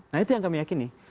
nah itu yang kami yakin nih